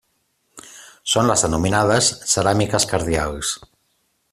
Són les denominades ceràmiques cardials.